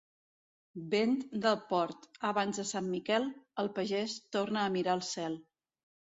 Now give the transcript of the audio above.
Vent del port abans de Sant Miquel, el pagès torna a mirar el cel.